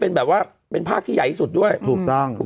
เป็นแบบว่าเป็นภาคที่ใหญ่ที่สุดด้วยถูกต้องถูก